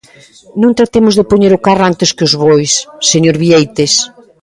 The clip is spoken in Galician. Non tratemos de poñer o carro antes que os bois, señor Bieites.